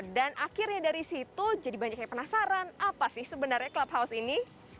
dan akhirnya dari situ jadi banyak yang penasaran apa sih sebenarnya clubhouse ini